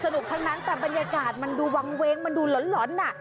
สนุกทั้งสับบรรยากาศมันดูวังเวงมันดูหล่อนอ่ะ